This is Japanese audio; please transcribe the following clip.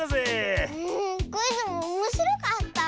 クイズもおもしろかった！